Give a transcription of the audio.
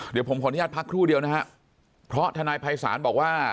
เดี๋ยวผมขออนุญาตพักครู่เดียวนะฮะเพราะทนายภัยศาลบอกว่า